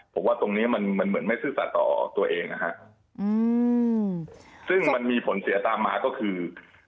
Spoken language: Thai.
ผมว่าตรงนี้มันมันเหมือนไม่ซื่อสัตว์ต่อตัวเองนะฮะอืมซึ่งมันมีผลเสียตามมาก็คือ